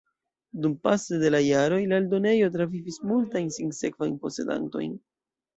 Dumpase de la jaroj la eldonejo travivis multajn sinsekvajn posedantojn.